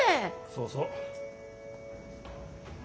そうそう。